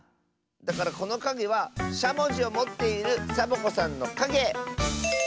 だからこのかげはしゃもじをもっているサボ子さんのかげ！